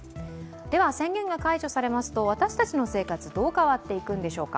宣言が解除されますと、私たちの生活、どう変わっていくのでしょうか。